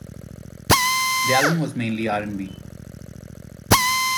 The album was mainly R and B.